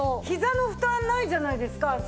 ひざの負担ないじゃないですか。